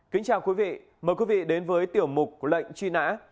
kính chào quý vị mời quý vị đến với tiểu mục lệnh truy nã